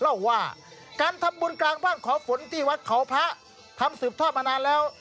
เล่าว่าการทำบุญกลางบ้านขอฝนที่วัดเขาพระทำสืบทอดมานานแล้ว